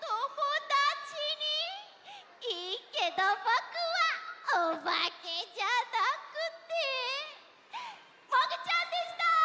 いいけどぼくはおばけじゃなくてもぐちゃんでした！